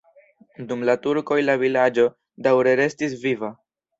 Dum la turkoj la vilaĝo daŭre restis viva.